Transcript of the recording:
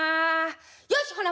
よしほな